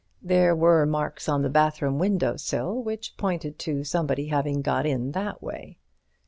There were marks on the bathroom window sill which pointed to somebody having got in that way.